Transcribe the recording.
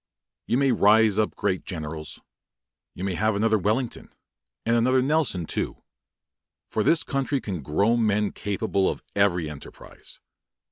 You may raise up great generals. You may have another Wellington, and another Nelson, too; for this country can grow men capable of every enterprise.